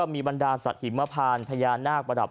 มีวันดาวสัฮิมพานทฮญาณนอกประดับ